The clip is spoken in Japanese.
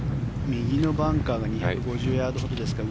右のバンカーが２５０ヤードほどですから。